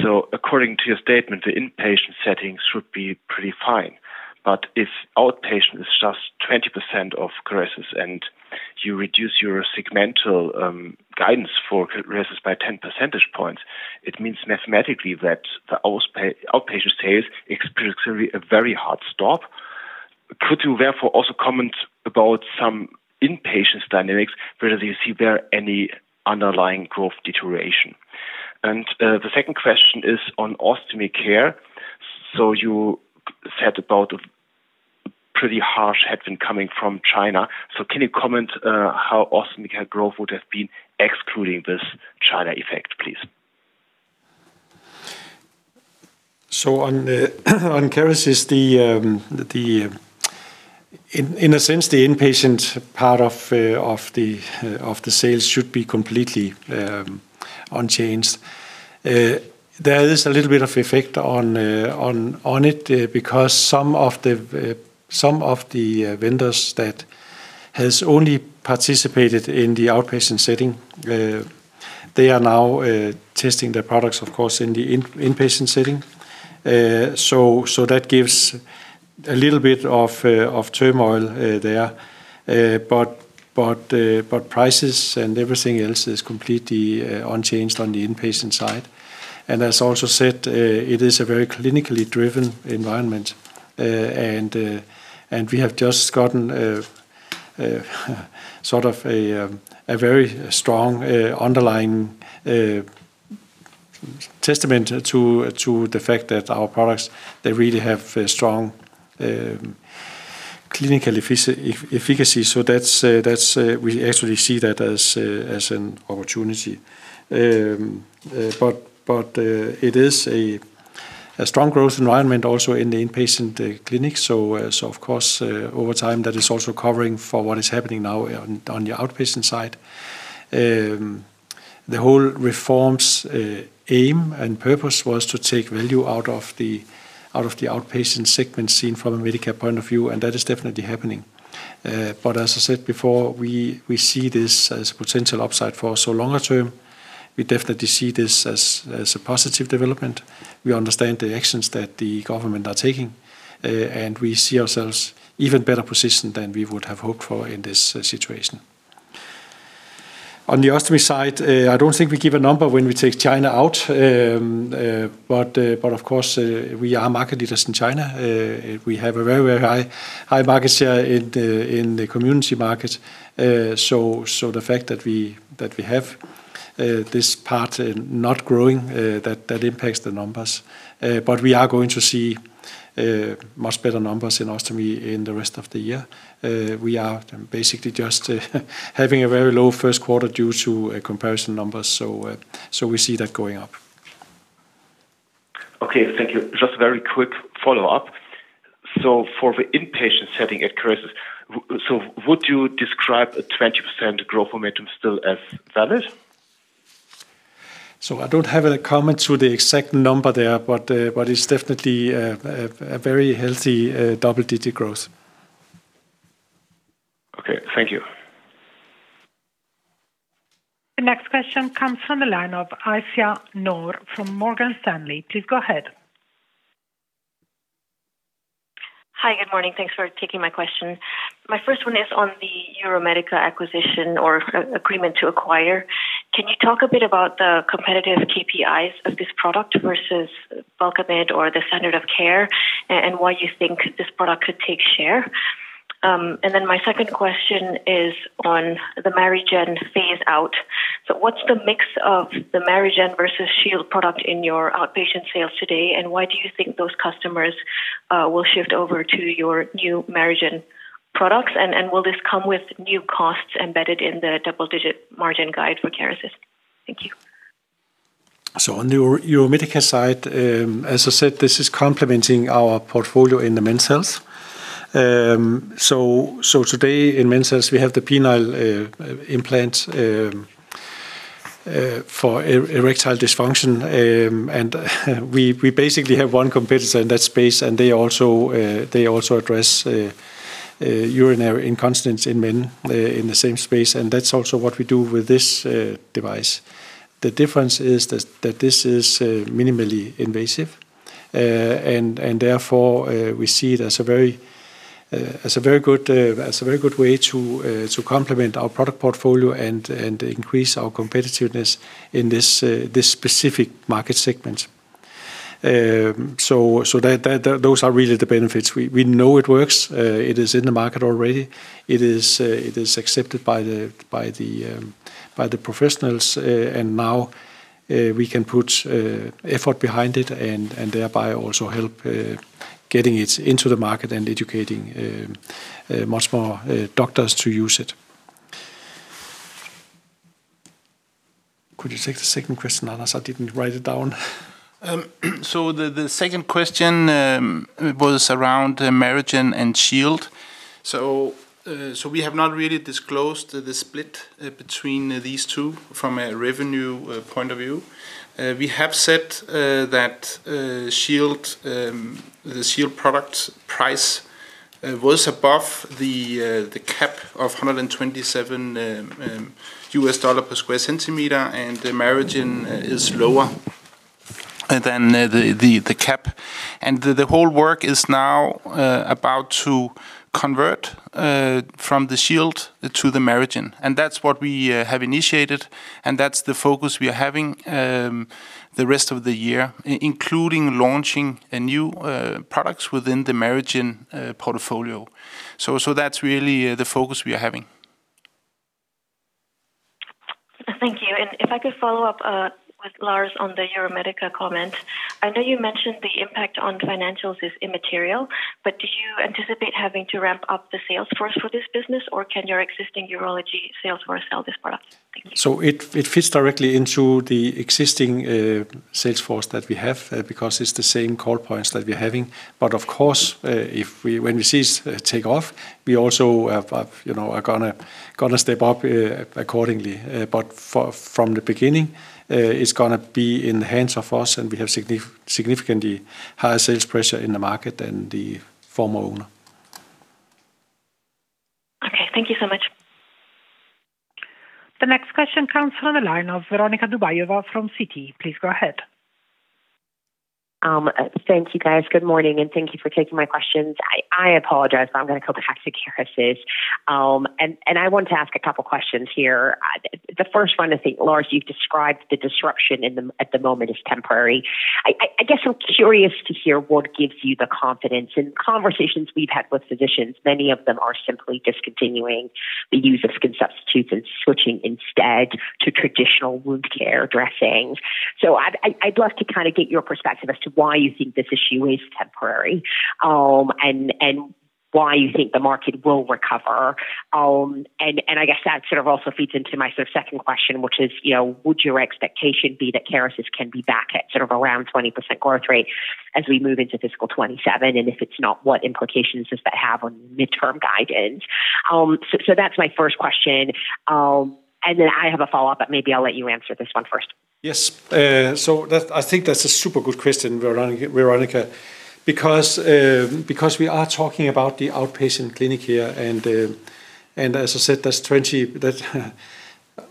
So according to your statement, the inpatient settings should be pretty fine. But if outpatient is just 20% of Kerecis and you reduce your segmental guidance for Kerecis by 10 percentage points, it means mathematically that the outpatient sales experience will be a very hard stop. Could you therefore also comment about some inpatient's dynamics, whether you see there any underlying growth deterioration? And the second question is on Ostomy Care. So you said about a pretty harsh headwind coming from China. So can you comment how Ostomy Care growth would have been excluding this China effect, please? So on, on Kerecis, the, the, in, in a sense, the inpatient part of, of the, of the sales should be completely unchanged. There is a little bit of effect on it, because some of the vendors that has only participated in the outpatient setting, they are now testing their products, of course, in the inpatient setting. So that gives a little bit of turmoil there. But prices and everything else is completely unchanged on the inpatient side. And as also said, it is a very clinically driven environment. And we have just gotten sort of a very strong underlying testament to the fact that our products they really have a strong clinical efficiency. So that's we actually see that as an opportunity. But it is a strong growth environment also in the inpatient clinic. So, of course, over time, that is also covering for what is happening now on the outpatient side. The whole reform's aim and purpose was to take value out of the outpatient segment seen from a Medicare point of view, and that is definitely happening. But as I said before, we see this as a potential upside for us. So longer term, we definitely see this as a positive development. We understand the actions that the government are taking, and we see ourselves even better positioned than we would have hoped for in this situation. On the Ostomy Care side, I don't think we give a number when we take China out, but of course, we are market leaders in China. We have a very high market share in the community market. So the fact that we have this part not growing, that impacts the numbers. But we are going to see much better numbers in Ostomy Care in the rest of the year. We are basically just having a very low first quarter due to comparison numbers. So we see that going up. Okay. Thank you. Just a very quick follow-up. So for the inpatient setting at Kerecis, would you describe a 20% growth momentum still as valid? So I don't have a comment to the exact number there, but it's definitely a very healthy double-digit growth. Okay. Thank you. The next question comes from the line of Ayesha Noor from Morgan Stanley. Please go ahead. Hi. Good morning. Thanks for taking my question. My first one is on the Uromedica acquisition or agreement to acquire. Can you talk a bit about the competitive KPIs of this product versus Bulkamid or the standard of care, and why you think this product could take share? And then my second question is on the MariGen phase-out. So what's the mix of the MariGen versus Shield product in your outpatient sales today, and why do you think those customers will shift over to your new MariGen products? And will this come with new costs embedded in the double digit margin guide for Kerecis? Thank you. So on the Uromedica side, as I said, this is complementing our portfolio in the Men's Health. So today in Men's Health, we have the penile implant for erectile dysfunction. And we basically have one competitor in that space, and they also address urinary incontinence in men in the same space. And that's also what we do with this device. The difference is that this is minimally invasive, and therefore, we see it as a very good way to complement our product portfolio and increase our competitiveness in this specific market segment. So that those are really the benefits. We know it works. It is in the market already. It is accepted by the professionals. And now, we can put effort behind it and thereby also help getting much more doctors to use it. Could you take the second question, Anders? I didn't write it down. So the second question was around MariGen and Shield. So we have not really disclosed the split between these two from a revenue point of view. We have said that Shield, the Shield product price, was above the cap of $127 per square centimeter, and MariGen is lower than the cap. And the whole work is now about to convert from the Shield to the MariGen. And that's what we have initiated, and that's the focus we are having the rest of the year, including launching new products within the MariGen portfolio. So that's really the focus we are having. Thank you. And if I could follow up with Lars on the Uromedica comment. I know you mentioned the impact on financials is immaterial, but do you anticipate having to ramp up the sales force for this business, or can your existing urology sales force sell this product? Thank you. So it fits directly into the existing sales force that we have, because it's the same call points that we're having. But, of course, if we when we see it take off, we also have you know are gonna step up accordingly. But from the beginning, it's gonna be in the hands of us, and we have significantly higher sales pressure in the market than the former owner. Okay. Thank you so much. The next question comes from the line of Veronika Dubajova from Citi. Please go ahead. Thank you, guys. Good morning. And thank you for taking my questions. I apologize, but I'm gonna go back to Kerecis. And I want to ask a couple questions here. The first one, I think, Lars, you've described the disruption at the moment is temporary. I guess I'm curious to hear what gives you the confidence. In conversations we've had with physicians, many of them are simply discontinuing the use of skin substitutes and switching instead to traditional wound care dressings. So I'd love to kinda get your perspective as to why you think this issue is temporary, and why you think the market will recover. I guess that sort of also feeds into my sort of second question, which is, you know, would your expectation be that Kerecis can be back at sort of around 20% growth rate as we move into fiscal 2027, and if it's not, what implications does that have on midterm guidance? So that's my first question. Then I have a follow-up, but maybe I'll let you answer this one first. Yes. So, I think that's a super good question, Veronika, because we are talking about the outpatient clinic here, and as I said, that's 20%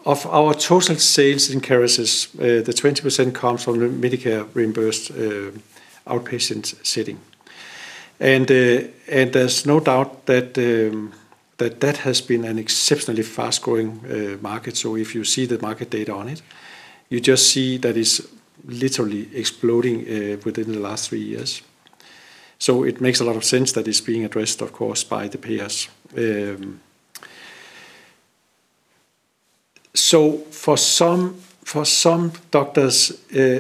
of our total sales in Kerecis, the 20% comes from the Medicare reimbursed outpatient setting. And there's no doubt that that has been an exceptionally fast-growing market. So if you see the market data on it, you just see that it's literally exploding within the last 3 years. So it makes a lot of sense that it's being addressed, of course, by the payers. So for some doctors,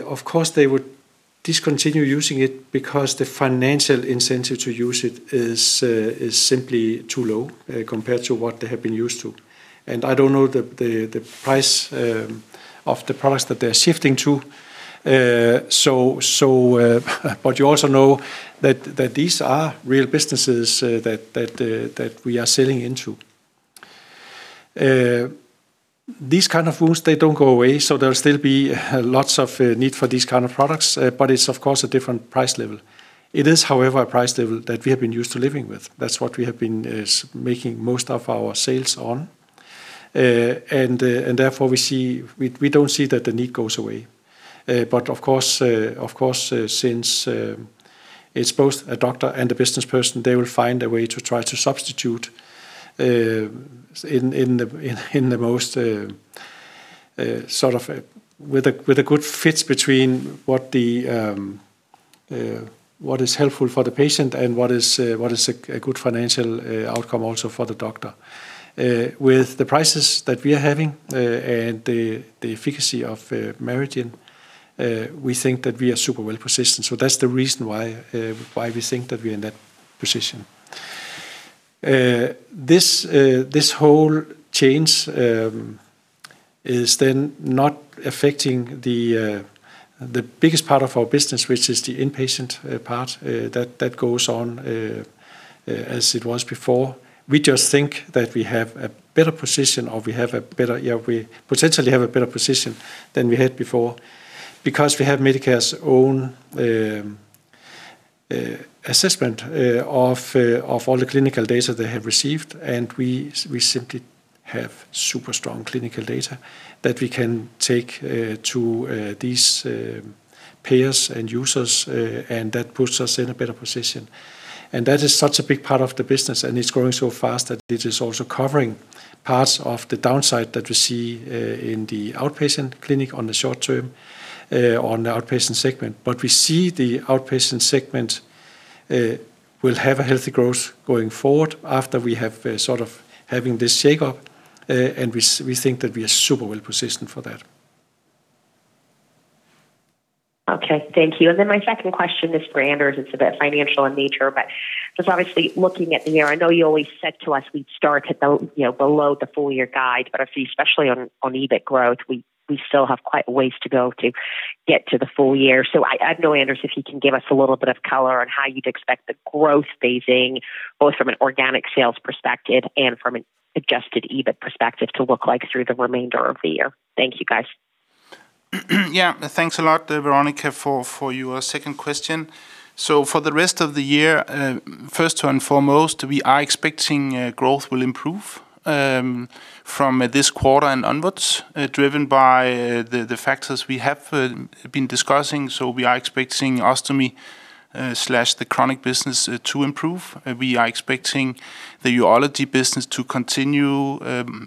of course, they would discontinue using it because the financial incentive to use it is simply too low, compared to what they have been used to. And I don't know the price of the products that they're shifting to. But you also know that these are real businesses that we are selling into. These kind of wounds, they don't go away, so there'll still be lots of need for these kind of products, but it's, of course, a different price level. It is, however, a price level that we have been used to living with. That's what we have been making most of our sales on. And therefore, we don't see that the need goes away. But of course, since it's both a doctor and a businessperson, they will find a way to try to substitute in the most sort of with a good fit between what is helpful for the patient and what is a good financial outcome also for the doctor. With the prices that we are having, and the efficacy of MariGen, we think that we are super well-positioned. So that's the reason why we think that we are in that position. This whole change is then not affecting the biggest part of our business, which is the inpatient part, that goes on as it was before. We just think that we have a better position, or we have a better yeah, we potentially have a better position than we had before because we have Medicare's own assessment of all the clinical data they have received. And we simply have super strong clinical data that we can take to these payers and users, and that puts us in a better position. That is such a big part of the business, and it's growing so fast that it is also covering parts of the downside that we see, in the outpatient clinic on the short term, on the outpatient segment. We see the outpatient segment will have a healthy growth going forward after we have, sort of having this shake-up, and we think that we are super well-positioned for that. Okay. Thank you. Then my second question is for Anders. It's a bit financial in nature, but just obviously looking at the year I know you always said to us we'd start at the you know, below the full-year guide, but I see especially on EBIT growth, we still have quite a ways to go to get to the full year. So, I'd know, Anders, if you can give us a little bit of color on how you'd expect the growth phasing, both from an organic sales perspective and from an adjusted EBIT perspective, to look like through the remainder of the year. Thank you, guys. Yeah. Thanks a lot, Veronika, for your second question. So for the rest of the year, first and foremost, we are expecting growth will improve from this quarter and onwards, driven by the factors we have been discussing. So we are expecting Ostomy, the Chronic Care business to improve. We are expecting the urology business to continue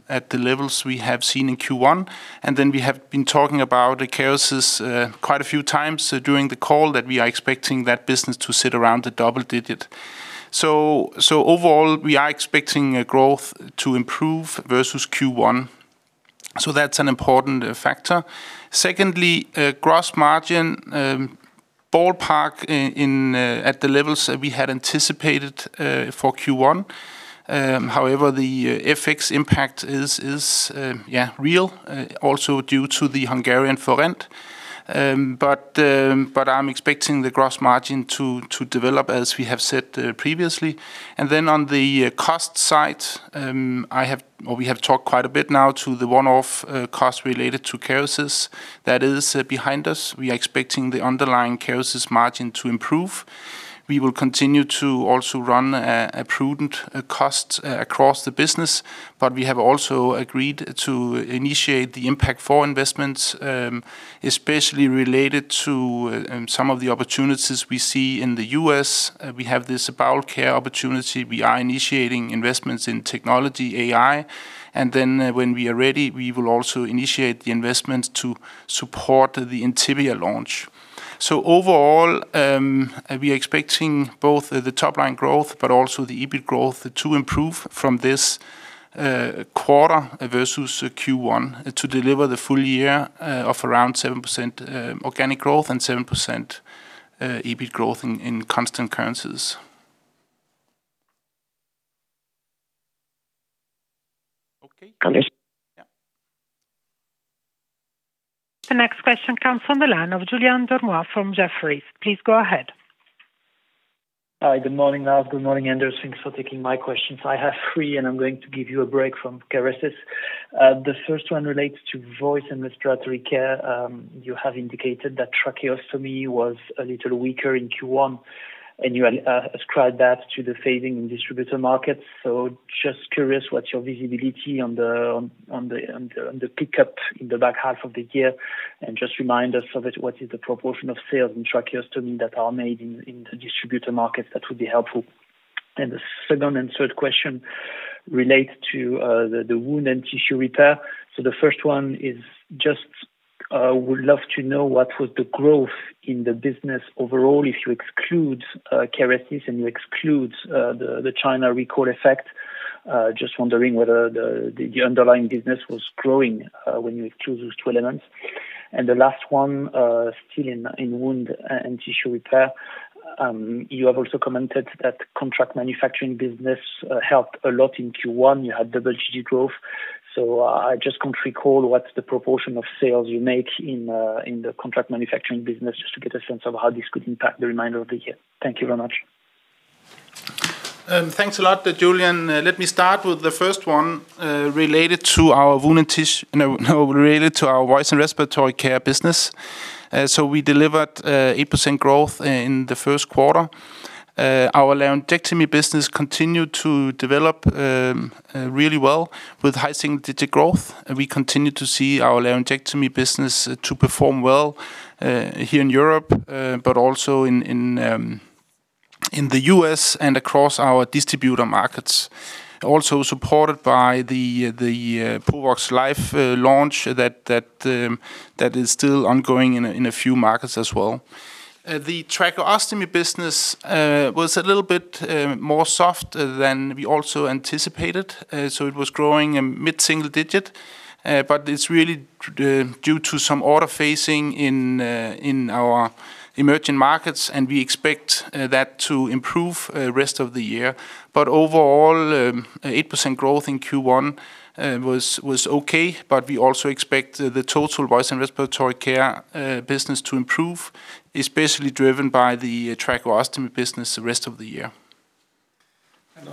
at the levels we have seen in Q1. And then we have been talking about Kerecis quite a few times during the call that we are expecting that business to sit around the double digit. So overall, we are expecting growth to improve versus Q1. So that's an important factor. Secondly, gross margin, ballpark, in at the levels that we had anticipated for Q1. However, the FX impact is yeah real, also due to the Hungarian forint. But I'm expecting the gross margin to develop as we have said previously. And then on the cost side, I have or we have talked quite a bit now to the one-off costs related to Kerecis that is behind us. We are expecting the underlying Kerecis margin to improve. We will continue to also run a prudent cost across the business, but we have also agreed to initiate the Impact4 investments, especially related to some of the opportunities we see in the U.S.. We have this Bowel Care opportunity. We are initiating investments in technology, AI. And then, when we are ready, we will also initiate the investment to support the Intibia launch. So overall, we are expecting both the top-line growth but also the EBIT growth to improve from this quarter versus Q1 to deliver the full year of around 7% organic growth and 7% EBIT growth in constant currencies. Okay. Anders. Yeah. The next question comes from the line of Julien Dormois from Jefferies. Please go ahead. Hi. Good morning, Lars. Good morning, Anders. Thanks for taking my questions. I have three, and I'm going to give you a break from Kerecis. The first one relates to Voice and Respiratory Care. You have indicated that tracheostomy was a little weaker in Q1, and you had ascribed that to the phasing in distributor markets. So just curious what's your visibility on the pickup in the back half of the year. Just remind us, what is the proportion of sales in tracheostomy that are made in the distributor markets? That would be helpful. The second and third questions relate to the Wound and Tissue Repair. So the first one is just, would love to know what was the growth in the business overall if you exclude Kerecis and you exclude the China recall effect. Just wondering whether the underlying business was growing when you exclude those two elements. The last one, still in Wound and Tissue Repair. You have also commented that contract manufacturing business helped a lot in Q1. You had double-digit growth. So, I just can't recall what's the proportion of sales you make in the contract manufacturing business just to get a sense of how this could impact the remainder of the year. Thank you very much. Thanks a lot, Julien. Let me start with the first one, related to our voice and respiratory care business. We delivered 8% growth in the first quarter. Our laryngectomy business continued to develop really well with high single-digit growth. We continue to see our laryngectomy business to perform well here in Europe, but also in the U.S. and across our distributor markets, also supported by the Provox Life launch that is still ongoing in a few markets as well. The tracheostomy business was a little bit more soft than we anticipated. It was growing mid-single digit. But it's really due to some order phasing in our emerging markets, and we expect that to improve rest of the year. But overall, 8% growth in Q1 was okay, but we also expect the total Voice and Respiratory Care business to improve, especially driven by the tracheostomy business the rest of the year. And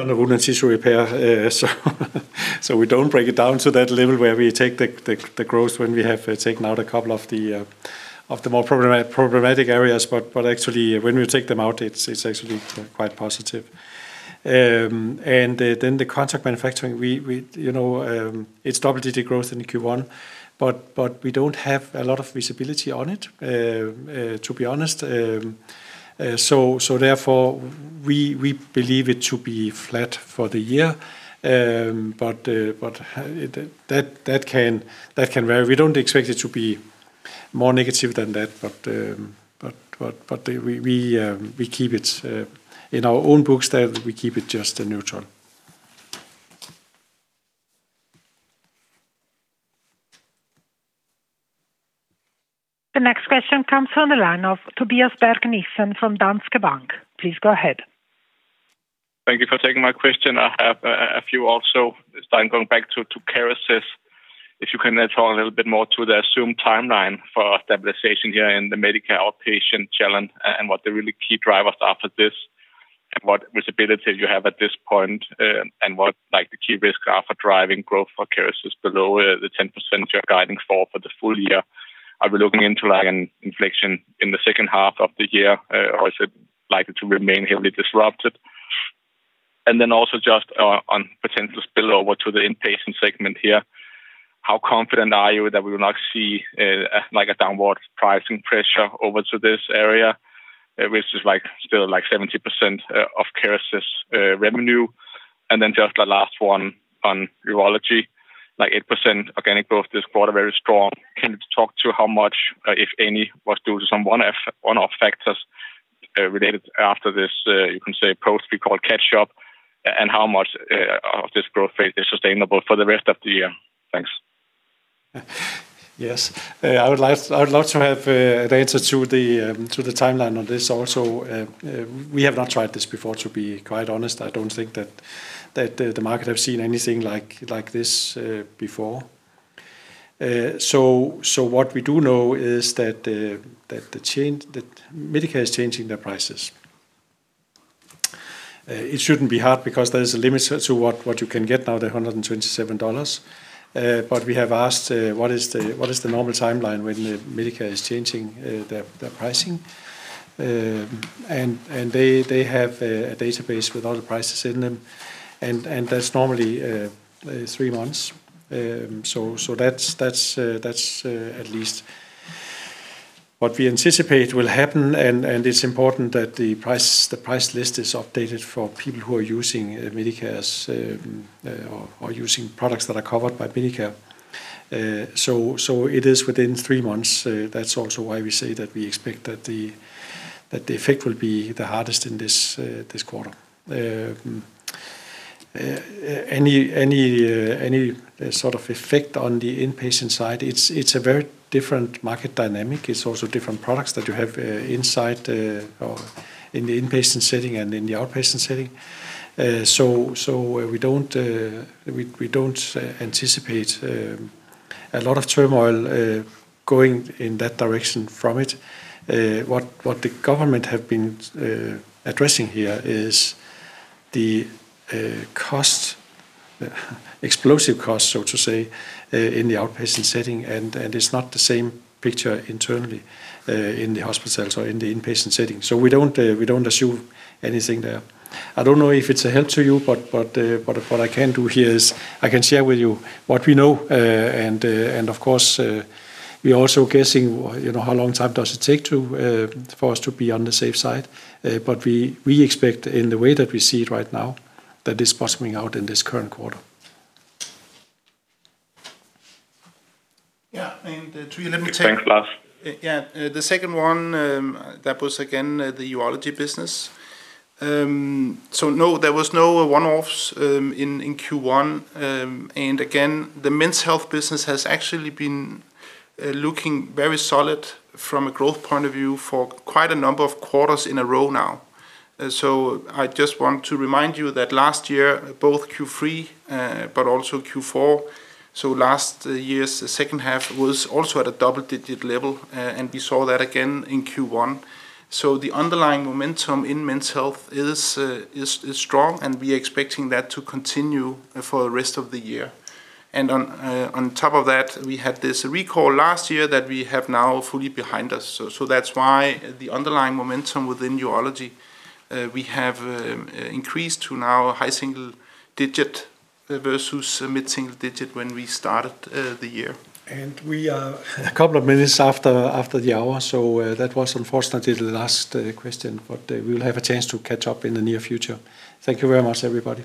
on the Wound and Tissue Repair, so we don't break it down to that level where we take the growth when we have taken out a couple of the more problematic areas, but actually, when we take them out, it's actually quite positive. Then the contract manufacturing, you know, it's double-digit growth in Q1, but we don't have a lot of visibility on it, to be honest. So therefore, we believe it to be flat for the year. But that can vary. We don't expect it to be more negative than that, but we keep it in our own books that we keep it just neutral. The next question comes from the line of Tobias Berg Nissen from Danske Bank. Please go ahead. Thank you for taking my question. I have a few also. This time going back to Kerecis. If you can add to a little bit more to the Zoom timeline for stabilization here in the Medicare outpatient challenge and what the really key drivers are for this and what visibility you have at this point, and what, like, the key risk are for driving growth for Kerecis below the 10% you're guiding for for the full year. Are we looking into, like, an inflection in the second half of the year, or is it likely to remain heavily disrupted? And then also just on potential spillover to the inpatient segment here, how confident are you that we will not see, like, a downward pricing pressure over to this area, which is, like, still, like, 70% of Kerecis revenue? And then just the last one on urology, like, 8% organic growth this quarter, very strong. Can you talk to how much, if any, was due to some one-off factors, related after this, you can say post-recall catch-up, and how much of this growth phase is sustainable for the rest of the year? Thanks. Yes. I would love to have data to the timeline on this also. We have not tried this before, to be quite honest. I don't think that the market has seen anything like this before. So what we do know is that the change that Medicare is changing their prices. It shouldn't be hard because there is a limit to what you can get now. They're $127. But we have asked, what is the normal timeline when Medicare is changing their pricing? And they have a database with all the prices in them, and that's normally three months. So that's at least what we anticipate will happen. And it's important that the price list is updated for people who are using Medicare or using products that are covered by Medicare. So it is within three months. That's also why we say that we expect that the effect will be the hardest in this quarter. Any sort of effect on the inpatient side, it's a very different market dynamic. It's also different products that you have inside or in the inpatient setting and in the outpatient setting. So we don't anticipate a lot of turmoil going in that direction from it. What the government have been addressing here is the cost, explosive cost, so to say, in the outpatient setting. And it's not the same picture internally in the hospitals or in the inpatient setting. So we don't assume anything there. I don't know if it's a help to you, but what I can do here is I can share with you what we know, and of course we are also guessing, you know, how long time does it take to for us to be on the safe side. but we expect in the way that we see it right now that it's bottoming out in this current quarter. Yeah. And to you, let me take. Thanks, Lars. Yeah. The second one, that was again the urology business. So no, there was no one-offs in Q1. And again, the Men's Health business has actually been looking very solid from a growth point of view for quite a number of quarters in a row now. So I just want to remind you that last year, both Q3, but also Q4, so last year's second half was also at a double-digit level, and we saw that again in Q1. So the underlying momentum in Men's Health is strong, and we are expecting that to continue for the rest of the year. On top of that, we had this recall last year that we have now fully behind us. So that's why the underlying momentum within urology we have increased to now high single-digit, versus mid-single digit when we started the year. We are a couple of minutes after the hour, so that was unfortunately the last question, but we will have a chance to catch up in the near future. Thank you very much, everybody.